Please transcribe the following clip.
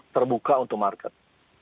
terbuka untuk market